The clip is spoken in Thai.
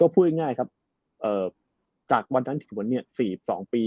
พูดง่ายครับจากวันนั้นถึงวันนี้๔๒ปี